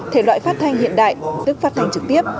thể loại phát thanh hiện đại tức phát thanh trực tiếp